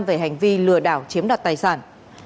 về hành vi lừa đảo chiếm đoạt tài sản